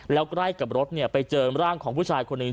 แล้วใกล้กับรถไปเจอร่างของผู้ชายคนหนึ่ง